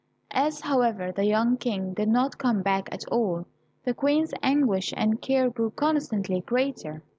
As, however, the young King did not come back at all, the Queen's anguish and care grew constantly greater.